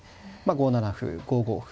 ５七歩５五歩。